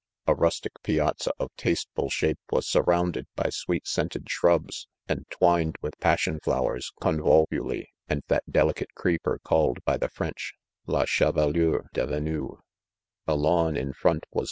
A rustic piazza oi •tasteful shape, was' surrounded by sweet seen ' tied shrubs ; and twined with passion flowers, eonvolvuli, and that delicate creeper calledW I the French l la chemlure de Venus? A lawn hi front' was.